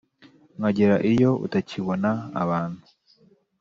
Nkagera iyo utakibona abantu